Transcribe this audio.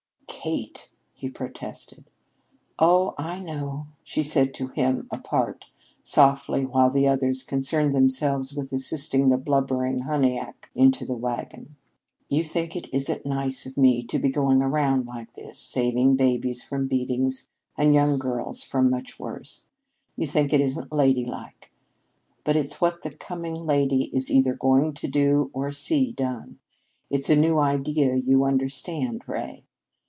"Kate!" he protested. "Oh, I know," she said to him apart softly while the others concerned themselves with assisting the blubbering Huniack into the wagon, "you think it isn't nice of me to be going around like this, saving babies from beatings and young girls from much worse. You think it isn't ladylike. But it's what the coming lady is either going to do or see done. It's a new idea, you understand, Ray.